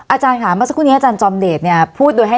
อาจารย์ค่ะเมื่อสักครู่นี้อาจารย์จอมเดชเนี่ยพูดโดยให้